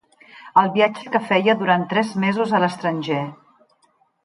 El viatge que feia durant tres mesos a l'estranger.